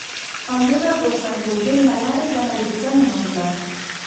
El deu d'agost en Roger i na Lara iran a visitar mon oncle.